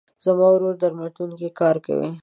زما ورور درملتون کې کار کوي.